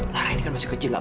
nah ini kan masih kecil lah